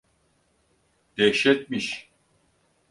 Dehşetmiş!